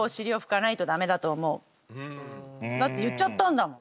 ってだって言っちゃったんだもん。